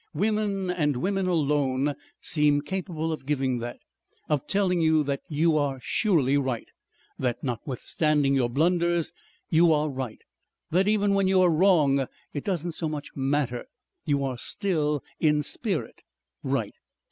"Women and women alone seem capable of giving that, of telling you that you are surely right, that notwithstanding your blunders you are right; that even when you are wrong it doesn't so much matter, you are still in spirit right.